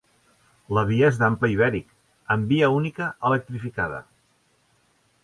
La línia és d'ample ibèric, en via única electrificada.